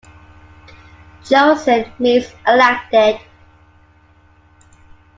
"Chosen" means elected.